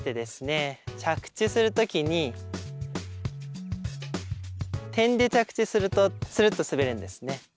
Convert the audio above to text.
着地する時に点で着地するとツルッと滑るんですね。